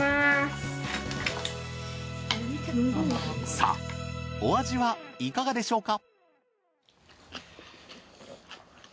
さぁお味はいかがでしょうか？